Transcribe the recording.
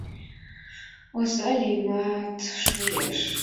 Оза лиймат шуэш.